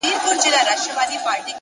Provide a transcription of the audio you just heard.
ستا د څوڼو ځنگلونه زمـا بــدن خـوري ـ